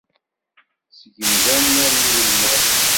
Seg yimdanen armi d lmal.